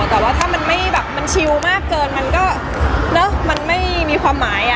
แต่ว่าถ้ามันชิวมากเกินมันก็ไม่มีความหมาย